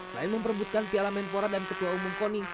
selain memperbutkan piala menpora dan ketua umum poni